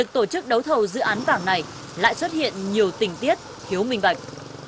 trước đấu thầu dự án vàng này lại xuất hiện nhiều tình tiết hiếu minh bạch